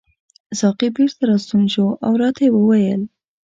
ساقي بیرته راستون شو او راته یې وویل.